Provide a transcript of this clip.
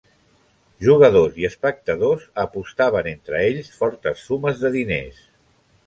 Jugadors i espectadors apostaven entre ells fortes sumes de diners.